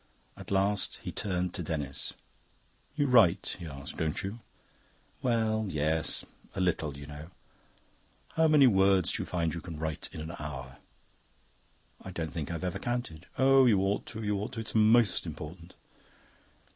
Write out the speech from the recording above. At last he turned to Denis. "You write," he asked, "don't you?" "Well, yes a little, you know." "How many words do you find you can write in an hour?" "I don't think I've ever counted." "Oh, you ought to, you ought to. It's most important."